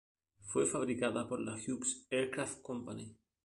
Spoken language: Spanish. Fue fabricada por la Hughes Aircraft Company.